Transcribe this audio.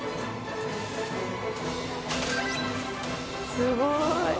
すごい！